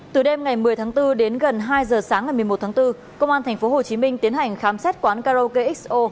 từ đêm ngày một mươi tháng bốn đến gần hai giờ sáng ngày một mươi một tháng bốn công an tp hcm tiến hành khám xét quán karaoke xo